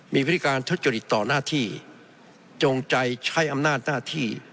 มีวิธีการทุจริตต่อหน้าที่จงใจใช้อำนาจหน้าที่